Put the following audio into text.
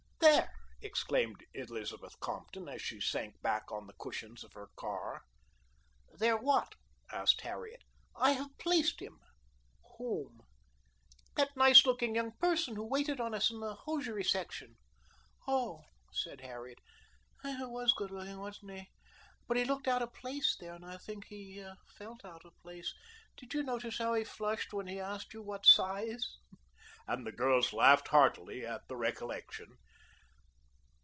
"There," exclaimed Elizabeth Compton, as she sank back on the cushions of her car. "There what?" asked Harriet. "I have placed him." "Whom?" "That nice looking young person who waited on us in the hosiery section." "Oh!" said Harriet. "He was nice looking, wasn't he? But he looked out of place there, and I think he felt out of place. Did you notice how he flushed when he asked you what size?" and the girls laughed heartily at the recollection.